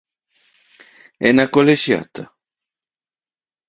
E na Colexiata?